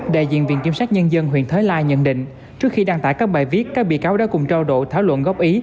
đại diện viện kiểm sát nhân dân huyện thới lai nhận định trước khi đăng tải các bài viết các bị cáo đã cùng trao đổi thảo luận góp ý